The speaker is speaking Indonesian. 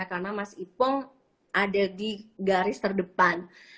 karena mas ipong ada di garis terdepan